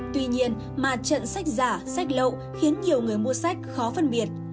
tuy nhiên mà trận sách giả sách lậu khiến nhiều người mua sách khó phân biệt